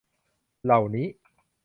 เหล่านี้